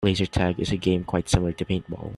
Laser tag is a game quite similar to paintball.